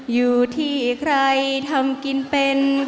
อยู่ที่ใครทำกินเป็น